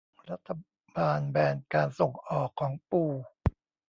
รัฐบาลแบนการส่งออกของปู